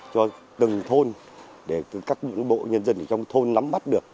cho từng thôn để các bộ nhân dân trong thôn nắm bắt được